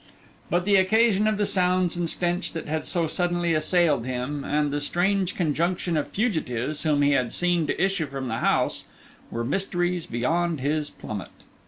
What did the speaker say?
But the occasion of the sounds and stench that had so suddenly assailed him, and the strange conjunction of fugitives whom he had seen to issue from the house, were mysteries beyond his plummet.